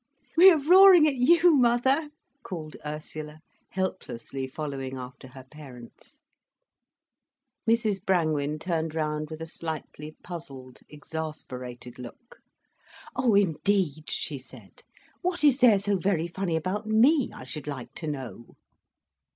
"We are roaring at you, mother," called Ursula, helplessly following after her parents. Mrs Brangwen turned round with a slightly puzzled, exasperated look. "Oh indeed!" she said. "What is there so very funny about me, I should like to know?"